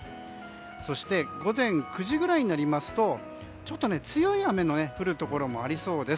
そして午前９時くらいになりますとちょっと強い雨の降るところもありそうです。